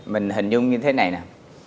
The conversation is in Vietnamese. mình hình dung như thế này nè